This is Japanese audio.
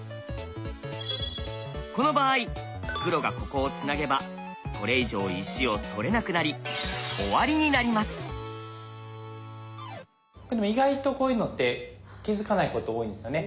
この場合黒がここをつなげばこれ以上石を取れなくなり意外とこういうのって気付かないこと多いんですよね。